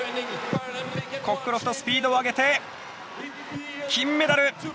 コックロフトスピードを上げて金メダル！